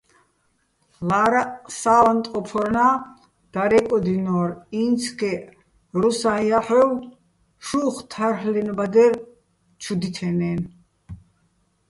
ლა́რაჸ სა́ვანტყოფორნა́ დარე́კოდინორ: ინცგეჸ რუსაჼ ჲაჰ̦ოვ შუხ თარ'ლენო̆ ბადერ ჩუ დითენაჲნო̆.